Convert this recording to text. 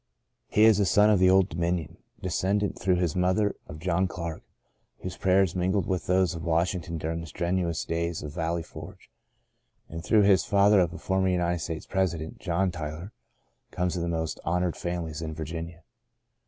He is a son of the Old Dominion. De scendant through his mother of John Clark, whose prayers mingled with those of Wash ington during the strenuous days of Valley Forge, and through his father of a former United States president, John Tyler comes of the most honoured families in Virginia.